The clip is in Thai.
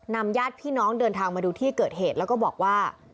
ญาติพี่น้องเดินทางมาดูที่เกิดเหตุแล้วก็บอกว่า